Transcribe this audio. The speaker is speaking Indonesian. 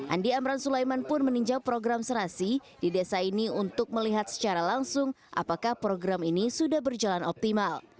andi amran sulaiman pun meninjau program serasi di desa ini untuk melihat secara langsung apakah program ini sudah berjalan optimal